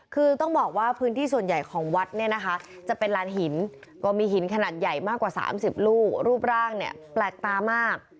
คือต้องบอกว่าพื้นที่ส่วนใหญ่ของวัดเนี่ยนะคะจะเป็นลานหินก็มีหินขนาดใหญ่มากกว่า๓๐ลูกรูปร่างเนี่ยแปลกตามาก